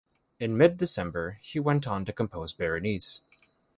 In Mid-December, he went on to compose "Berenice".